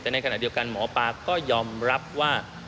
แต่ในขณะเดียวกันหมอปลาก็ยอมรับว่า